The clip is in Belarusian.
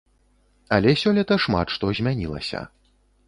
Але сёлета шмат што змянілася.